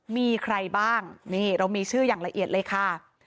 มีใครบ้างนี่เรามีชื่ออย่างละเอียดเลยค่ะ